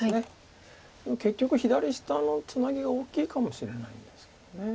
結局左下のツナギが大きいかもしれないんですよね。